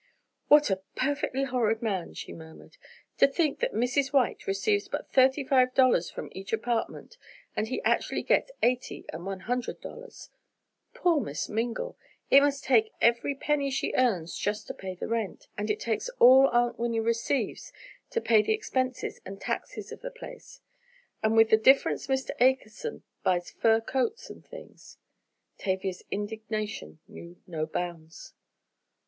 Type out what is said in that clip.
"What a perfectly horrid man," she murmured. "To think that Mrs. White receives but thirty five dollars from each apartment and he actually gets eighty and one hundred dollars! Poor Miss Mingle! It must take every penny she earns just to pay the rent! And it takes all Aunt Winnie receives to pay the expenses and taxes of the place! And with the difference Mr. Akerson buys fur coats and things." Tavia's indignation knew no bounds.